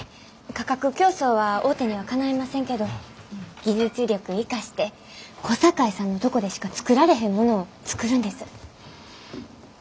価格競争は大手にはかないませんけど技術力生かして小堺さんのとこでしか作られへんものを作るんです。